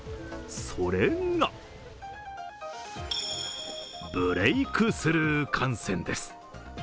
それが、ブレークスルー感染です。